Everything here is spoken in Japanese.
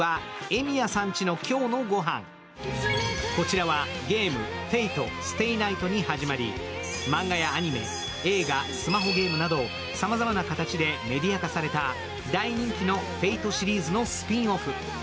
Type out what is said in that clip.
こちらはゲーム「Ｆａｔｅ／ｓｔａｙｎｉｇｈｔ」に始まり、マンガやアニメ、映画、スマホゲームなどさまざまな形でメディア化された大人気の「Ｆａｔｅ」シリーズのスピンオフ。